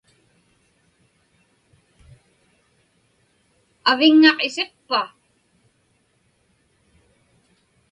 Aviŋŋaq isiqpa?